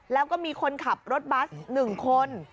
แล้วก็มีคนขับรถบัส๑คน